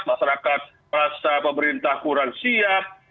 masyarakat merasa pemerintah kurang siap